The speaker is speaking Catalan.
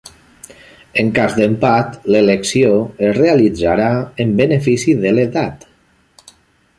En cas d'empat, l'elecció es realitzarà en benefici de l'edat.